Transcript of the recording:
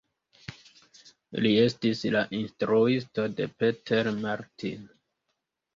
Li estis la instruisto de Peter Martin.